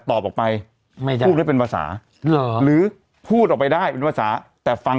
ตอบออกไปไม่ได้เป็นภาษาหรือพูดออกไปได้ภาษาแต่ฟัง